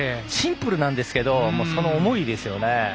シンプルですけど思いですよね。